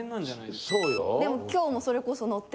・でも今日もそれこそ乗って。